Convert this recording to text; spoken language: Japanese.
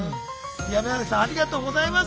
いいえありがとうございます。